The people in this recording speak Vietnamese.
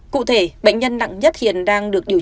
cụ thể bệnh nhân nặng nhất hiện đang được điều trị